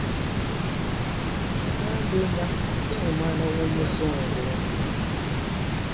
Nabge nafunye omwan a w'omuzungu .